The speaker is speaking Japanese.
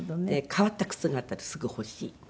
変わった靴があったらすぐ欲しい。